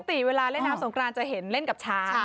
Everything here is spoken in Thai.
ปกติเวลาเล่นน้ำสงกรานจะเห็นเล่นกับช้าง